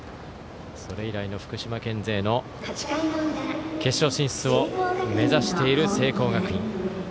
それ以来の福島県勢の決勝進出を目指している聖光学院。